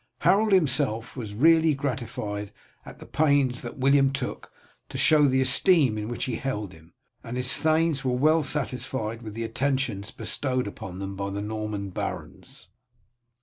Harold himself was really gratified at the pains that William took to show the esteem in which he held him, and his thanes were all well satisfied with the attentions bestowed upon them by the Norman barons.